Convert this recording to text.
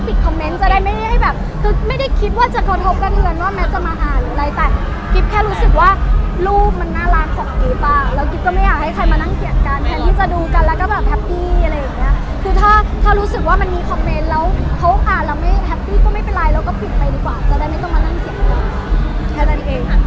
มีคอมเมนท์ไทยหรือไม่มีคอมเมนท์ไทยหรือไม่มีคอมเมนท์ไทยหรือไม่มีคอมเมนท์ไทยหรือไม่มีคอมเมนท์ไทยหรือไม่มีคอมเมนท์ไทยหรือไม่มีคอมเมนท์ไทยหรือไม่มีคอมเมนท์ไทยหรือไม่มีคอมเมนท์ไทยหรือไม่มีคอมเมนท์ไทยหรือไม่มีคอมเมนท์ไทยหรือไม่มีคอมเมนท์ไท